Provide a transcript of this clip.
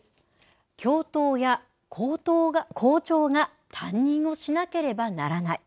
教頭や校長が担任をしなければならない。